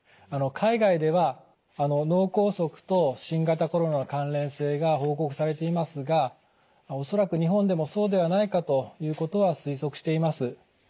海外では脳梗塞と新型コロナの関連性が報告されていますが恐らく日本でもそうではないかということは推測しています。